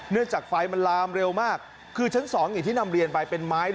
เนื่องจากไฟมันลามเร็วมากคือชั้น๒ที่นำเรียนไปเป็นไม้